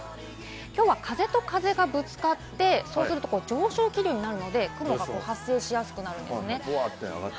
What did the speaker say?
きょうは風と風がぶつかって、そうすると上昇気流になるので、雲が発生しやすくなります。